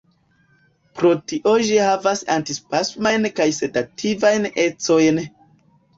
Pro tio ĝi havas antispasmajn kaj sedativajn ecojn.